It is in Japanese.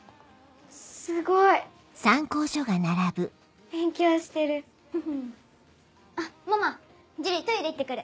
すごい。勉強してる。